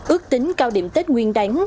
ước tính cao điểm tết nguyên đáng